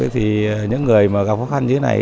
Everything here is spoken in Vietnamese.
thì những người mà gặp khó khăn như thế này